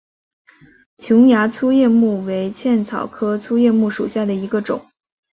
琼崖粗叶木为茜草科粗叶木属下的一个种。